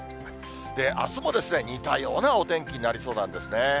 あすも似たようなお天気になりそうなんですね。